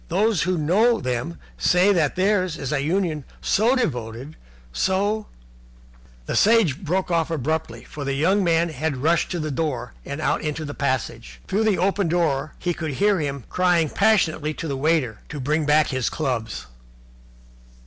Those who know them say that theirs is a union so devoted, so "The Sage broke off abruptly, for the young man had rushed to the door and out into the passage. Through the open door he could hear him crying passionately to the waiter to bring back his clubs.